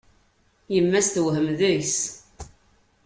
Yemma-s tewhem deg-s.